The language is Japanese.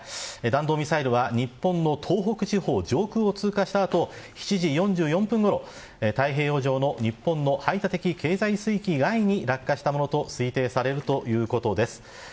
弾道ミサイルは日本の東北地方上空を通過した後７時４４分ごろ太平洋上の日本の排他的経済水域外に落下したものと推定されるということです。